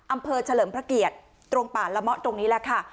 อำเภอเฉลิมพระเกียรตรงป่าลมะตรงนี้แหละค่ะ